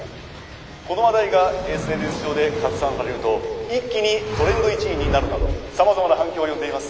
この話題がＳＮＳ上で拡散されると一気にトレンド１位になるなどさまざまな反響を呼んでいます。